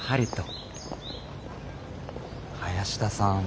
林田さん